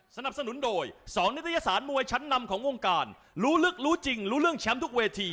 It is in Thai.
สนับสนุนโดย๒นิตยสารมวยชั้นนำของวงการรู้ลึกรู้จริงรู้เรื่องแชมป์ทุกเวที